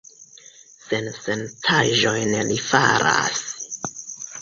Sensencaĵojn li faras!